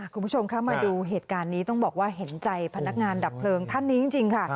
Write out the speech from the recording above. คุณผู้ชมคะมาดูเหตุการณ์นี้ต้องบอกว่าเห็นใจพนักงานดับเพลิงท่านนี้จริงค่ะ